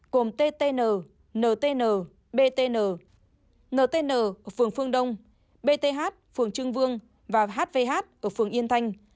cùng ttn ntn btn ntn ở phường phương đông bth phường trương vương và hvh ở phường yên thanh